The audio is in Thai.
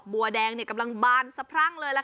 สุดยอดน้ำมันเครื่องจากญี่ปุ่น